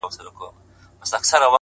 فکر د انسان لار ټاکي!.